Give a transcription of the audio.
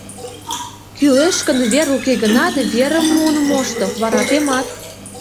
Кӱлеш гын, вер уке гынат, верым муын мошто, вара темат.